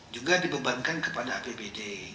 juga dibebankan kepada apbd